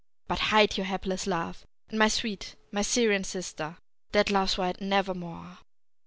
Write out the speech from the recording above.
But hide your hapless love, And my sweet my Syrian sister, Dead Love's wild Nevermore!